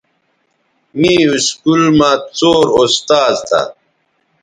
می اسکول مہ څور استاذ تھہ